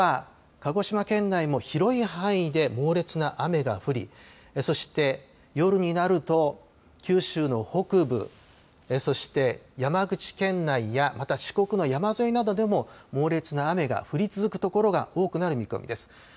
午後は鹿児島県内も広い範囲で猛烈な雨が降りそして夜になると九州の北部そして山口県内やまた四国の山沿いなどでも猛烈な雨が降り続く所が多くなる見込みです。